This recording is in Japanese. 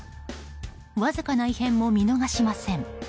わずかな異変も見逃しません。